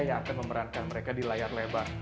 yang akan memerankan mereka di layar lebar